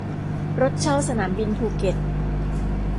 รถเช่าสนามบินภูเก็ต